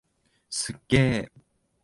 すっげー！